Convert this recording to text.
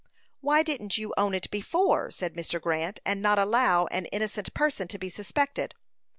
"Why didn't you own it before?" said Mr. Grant, "and not allow an innocent person to be suspected."